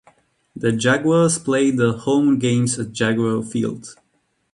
The Jaguars played their home games at Jaguar Field.